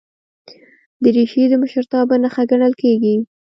دریشي د مشرتابه نښه ګڼل کېږي.